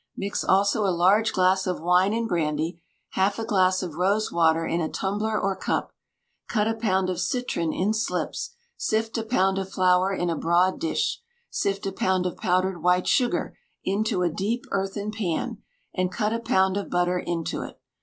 Mix also a large glass of wine and brandy, half a glass of rose water in a tumbler or cup. Cut a pound of citron in slips; sift a pound of flour in a broad dish, sift a pound of powdered white sugar into a deep earthen pan, and cut a pound of butter into it.